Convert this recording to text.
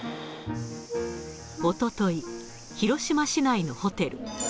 おととい、広島市内のホテル。